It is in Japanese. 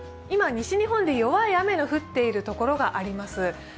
今、西日本で弱い雨の降っているところがあります。